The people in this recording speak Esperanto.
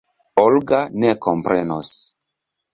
Olga ne komprenos.